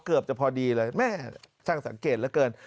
ก็จะพอดีเลยแม่ท่านสังเกตเกิน